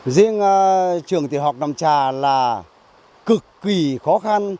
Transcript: riêng trường tiểu học nam trà là cực kỳ khó khăn